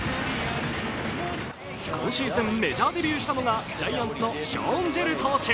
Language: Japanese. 今シーズンメジャーデビューしたのがジャイアンツのショーン・ジェル投手。